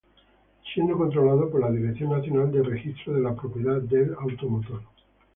Siendo controlados por la Dirección Nacional de Registro de la Propiedad del Automotor.